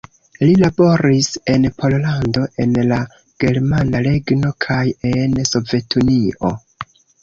Li laboris en Pollando, en la Germana Regno kaj en Sovetunio.